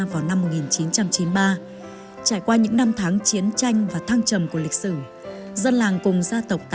vào năm một nghìn chín trăm chín mươi ba trải qua những năm tháng chiến tranh và thăng trầm của lịch sử dân làng cùng gia tộc